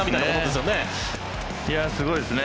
すごいですね。